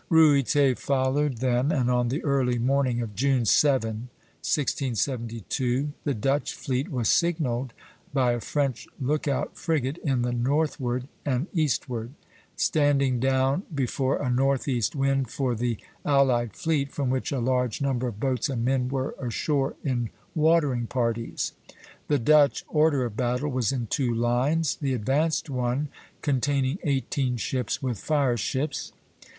Ruyter followed them, and on the early morning of June 7, 1672, the Dutch fleet was signalled by a French lookout frigate in the northward and eastward; standing down before a northeast wind for the allied fleet, from which a large number of boats and men were ashore in watering parties. The Dutch order of battle was in two lines, the advanced one containing eighteen ships with fire ships (Plate III.